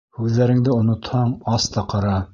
Һүҙҙәреңде онотһаң, ас та ҡара.